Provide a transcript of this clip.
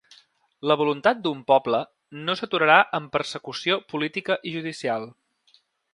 La voluntat d'un poble no s'aturarà amb persecució política i judicial.